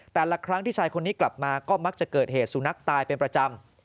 แต่ละครั้งที่ชายคนนี้กลับมาก็มักจะเกิดเหตุสุนัขตายเป็นประจำ